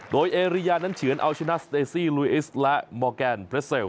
โดยเอเรียนั้นเฉือนเอาชนะสเตซี่ลุยอิสและมอร์แกนเพลสเซล